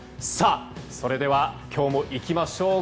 それでは今日もいきましょう。